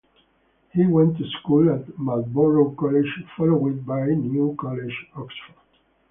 He went to school at Marlborough College followed by New College, Oxford.